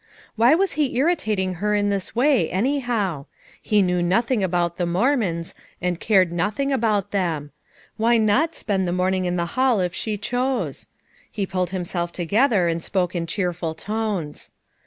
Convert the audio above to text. Why was he irritating her in this way, anyhow? He knew nothing ahont the Mormons, and cared nothing about them. Why not spend the morning in the hall if she chose? He pulled himself together and spoke in cheerful tones.